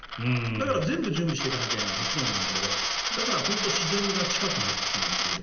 だから全部準備していかなきゃいけないのはもちろんだけど自然が近くなってしまうし。